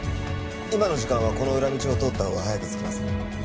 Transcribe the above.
今の時間はこの裏道を通ったほうが早く着きます。